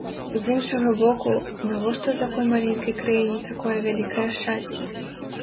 З іншага боку, навошта такой маленькай краіне такое вялікае шчасце?